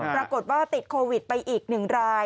ปรากฏว่าติดโควิดไปอีก๑ราย